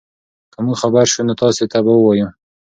که موږ خبر شو نو تاسي ته به ووایو.